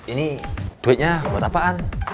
ini duitnya buat apaan